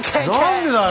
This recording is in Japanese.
何でだよ！